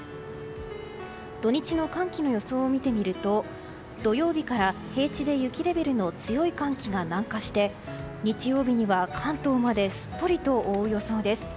土日の寒気の予想を見てみると土曜日から平地で雪レベルの強い寒気が南下して日曜日には関東まですっぽりと覆う予想です。